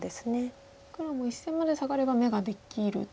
黒も１線までサガれば眼ができると。